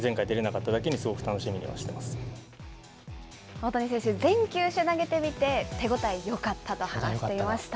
大谷選手、全球種投げてみて、手応え、よかったと話していました。